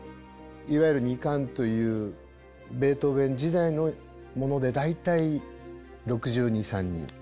いわゆる２管というベートーヴェン時代のもので大体６２６３人。